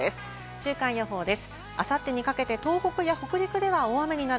週間予報です。